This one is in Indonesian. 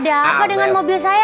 ada apa dengan mobil saya ya